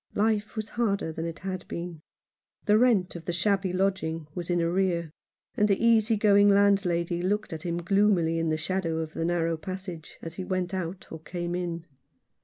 Life was harder than it had been. The rent of the shabby lodging was in arrear, and the easy going landlady looked at him gloomily in the shadow of the narrow passage as he went out or came in.